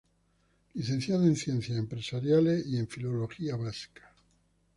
Licenciado en Ciencias Empresariales y en Filología vasca.